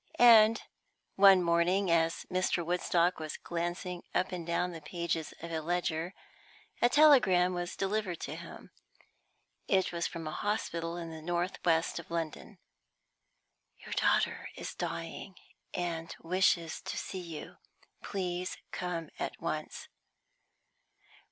And, one morning, as Mr. Woodstock was glancing up and down the pages of a ledger, a telegram was delivered to him. It was from a hospital in the north west of London. "Your daughter is dying, and wishes to see you. Please come at once."